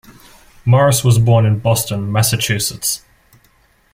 Morris was born in Boston, Massachusetts.